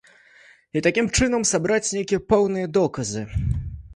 І такім чынам сабраць нейкія пэўныя доказы.